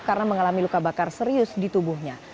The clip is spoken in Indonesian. karena mengalami luka bakar serius di tubuhnya